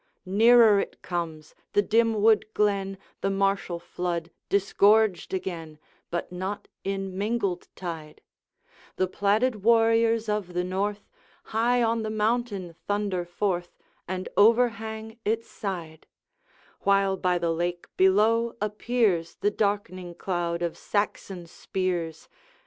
Nearer it comes the dim wood glen The martial flood disgorged again, But not in mingled tide; The plaided warriors of the North High on the mountain thunder forth And overhang its side, While by the lake below appears The darkening cloud of Saxon spears.